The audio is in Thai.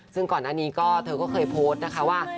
ซึ่งก่อนอันนี้ก็เธอก็เคยโพสต์นะคะว่า